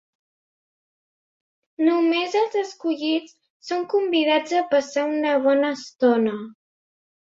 Només els escollits són convidats a passar una bona estona.